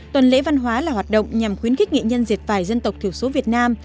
tuần lễ văn hóa là hoạt động nhằm khuyến khích nghệ nhân diệt vải dân tộc thiểu số việt nam